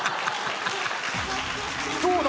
どうだ